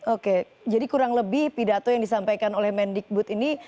oke jadi kurang lebih pidato yang disampaikan oleh mendikbud ini